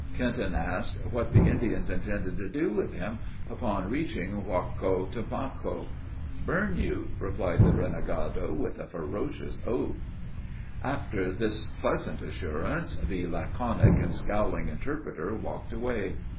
Kenton asked "what the Indians intended to do with him upon reaching Waughcotomoco." "Burn you!" replied the renegado, with a ferocious oath. After this pleasant assurance, the laconic and scowling interpreter walked away.